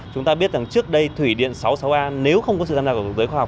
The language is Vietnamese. chúng ta biết rằng trước đây thủy điện sáu mươi sáu a nếu không có sự tham gia của giới khoa học